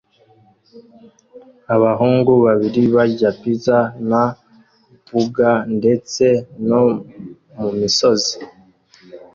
Abahungu babiri barya pizza na burger ndetse no mumisozi